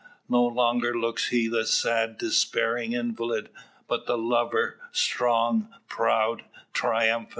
No longer looks he the sad despairing invalid, but the lover strong, proud, triumphant.